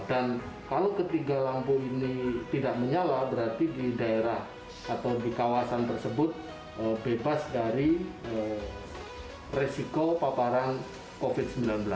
dan kalau ketiga lampu ini tidak menyala berarti di daerah atau di kawasan tersebut bebas dari resiko paparan covid sembilan belas